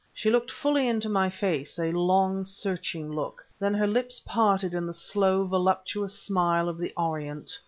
She looked fully into my face, a long, searching look; then her lips parted in the slow, voluptuous smile of the Orient.